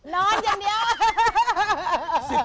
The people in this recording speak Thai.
นอนอย่างเดียว